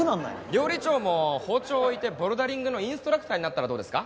料理長も包丁を置いてボルダリングのインストラクターになったらどうですか？